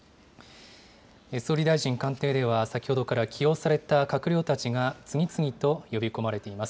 総理大臣官邸では、先ほどから起用された閣僚たちが次々と呼び込まれています。